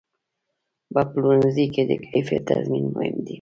په پلورنځي کې د کیفیت تضمین مهم دی.